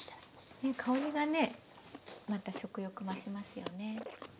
香りがねまた食欲増しますよね。